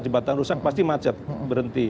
jembatan rusak pasti macet berhenti